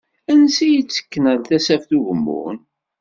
Ansa i ttekken ar Tasaft Ugemmun?